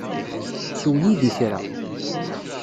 Sew yid-i kra.